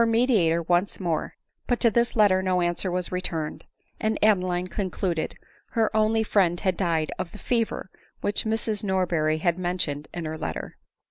mediator once more ; I tut to this letter no answer was returned ; and Adeline concluded her only friend had died of the fever which Mrs Norberry had mentioned in her letter.